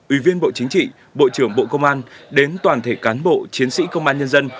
ủy viên bộ chính trị bộ trưởng bộ công an đến toàn thể cán bộ chiến sĩ công an nhân dân